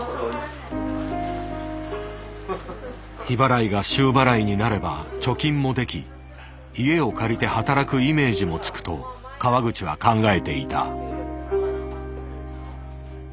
日払いが週払いになれば貯金もでき家を借りて働くイメージもつくと川口は考えていた。